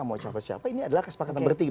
mau siapa siapa ini adalah kesepakatan bertiga